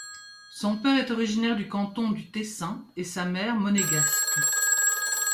Son père est originaire du canton du Tessin et sa mère, monégasque.